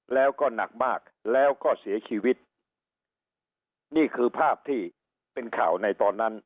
แล้วก็หนักมากแล้วก็เสียชีวิตนี่คือภาพที่เป็นข่าวในตอนนั้น